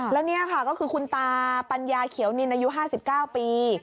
แล้วนี่ค่ะก็คือคุณตาปัญญาเขียวนินอายุ๕๙ปี